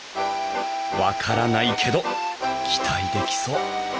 分からないけど期待できそう！